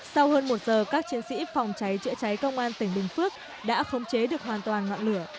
sau hơn một giờ các chiến sĩ phòng cháy chữa cháy công an tỉnh bình phước đã khống chế được hoàn toàn ngọn lửa